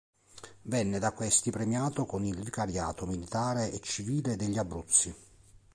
Venne da questi premiato con il vicariato militare e civile degli Abruzzi.